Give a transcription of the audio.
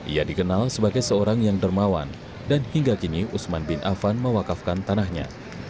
ia dikenal sebagai seorang yang dermawan dan hingga kini usman bin afan mewakafkan tanahnya